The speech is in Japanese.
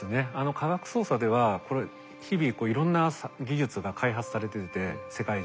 科学捜査では日々いろんな技術が開発されてて世界中で。